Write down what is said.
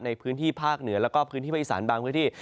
ในพื้นที่ภาคเหนือแล้วก็พื้นที่ภาคอีสานบางพื้นที่